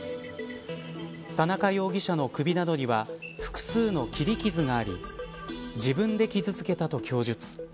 田中容疑者の首などには複数の切り傷があり自分で傷つけたと供述。